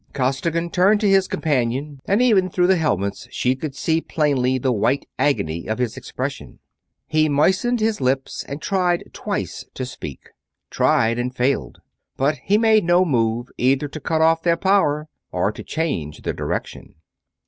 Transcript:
Costigan turned to his companion, and even through the helmets she could see plainly the white agony of his expression. He moistened his lips and tried twice to speak tried and failed; but he made no move either to cut off their power or to change their direction.